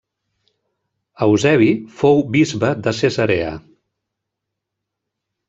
Eusebi fou bisbe de Cesarea.